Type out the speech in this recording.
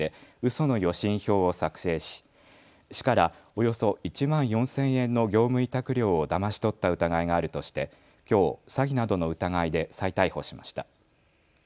その予診票を作成し、市からおよそ１万４０００円の業務委託料をだまし取った疑いがあるとしてきょう、詐欺などの疑いで再逮捕しました。